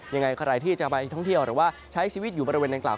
ยังไงใครที่จะไปท่องเที่ยวหรือว่าใช้ชีวิตอยู่บริเวณดังกล่า